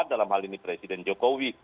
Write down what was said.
dalam hal ini presiden jokowi